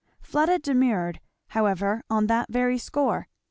Fleda demurred, however, on that very score.